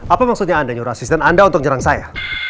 apa maksudnya anda nyurah asisten anda untuk nyerang saya